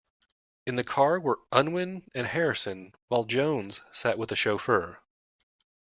In the car were Unwin and Harrison, while Jones sat with the chauffeur.